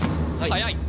速い。